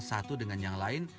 satu dengan yang lain